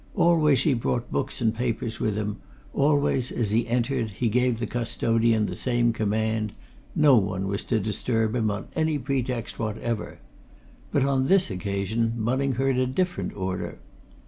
Always he brought books and papers with him; always, as he entered, he gave the custodian the same command no one was to disturb him, on any pretext whatever. But on this occasion, Bunning heard a different order.